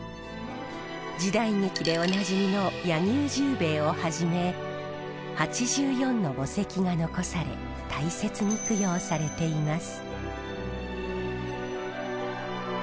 時代劇でおなじみの柳生十兵衛をはじめ８４の墓石が残され大切に供養されています。